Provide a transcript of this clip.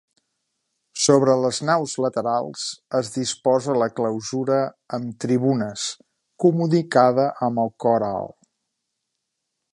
Sobre les naus laterals es disposa la clausura amb tribunes, comunicada amb el cor alt.